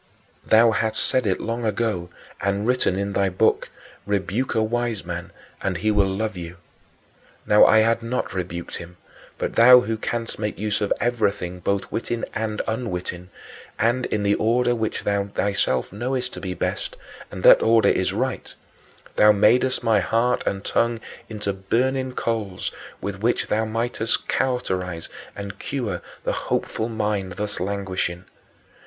Thou hast said it long ago and written in thy Book, "Rebuke a wise man, and he will love you." Now I had not rebuked him; but thou who canst make use of everything, both witting and unwitting, and in the order which thou thyself knowest to be best and that order is right thou madest my heart and tongue into burning coals with which thou mightest cauterize and cure the hopeful mind thus languishing.